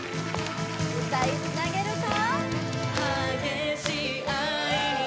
歌いつなげるか？